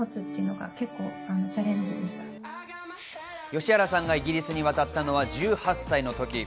吉原さんがイギリスに渡ったのは１８歳のとき。